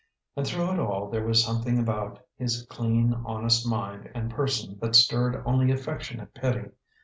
And through it all there was something about his clean, honest mind and person that stirred only affectionate pity.